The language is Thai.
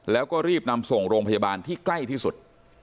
แล้วก็รีบนำส่งโรงพยาบาลที่ใกล้ที่สุด